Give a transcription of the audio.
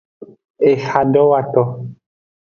Ehadowoto.